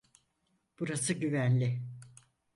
Burası güvenli.